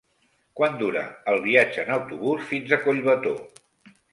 Quant dura el viatge en autobús fins a Collbató?